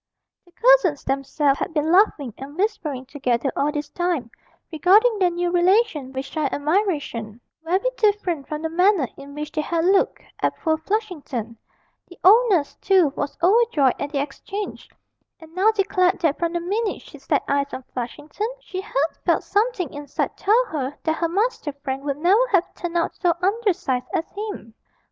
The cousins themselves had been laughing and whispering together all this time, regarding their new relation with shy admiration, very different from the manner in which they had looked at poor Flushington; the old nurse, too, was overjoyed at the exchange, and now declared that from the minute she set eyes on Flushington, she had felt something inside tell her that her Master Frank would never have turned out so undersized as him!